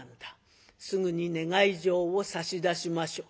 すぐに願い状を差し出しましょう」。